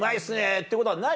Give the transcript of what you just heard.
「ってことは何？